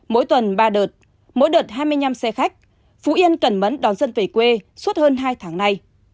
mỗi tuần ba đợt mỗi đợt hai mươi năm xe khách phú yên cẩn mẫn đón dân về quê suốt hơn hai tháng nay